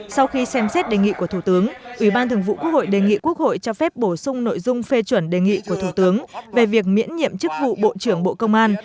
sau khi xem xét đề nghị của thủ tướng ủy ban thường vụ quốc hội đề nghị quốc hội cho phép bổ sung nội dung phê chuẩn đề nghị của thủ tướng về việc miễn nhiệm chức vụ bộ trưởng bộ công an